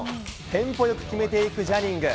テンポよく決めていくジャニング。